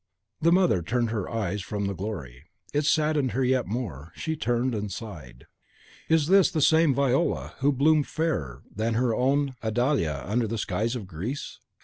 The mother turned her eyes from the glory; it saddened her yet more. She turned and sighed. Is this the same Viola who bloomed fairer than their own Idalia under the skies of Greece?